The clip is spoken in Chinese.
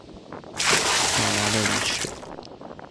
奶奶的离去